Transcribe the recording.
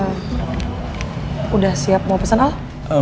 eh udah siap mau pesan apa